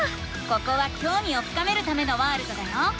ここはきょうみを深めるためのワールドだよ。